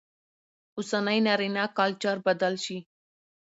اوسنى نارينه کلچر بدل شي